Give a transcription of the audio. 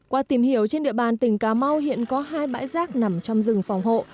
qua tìm hiểu trên địa bàn tỉnh cà mau hiện có hai bãi rác nằm trong rừng phòng hộ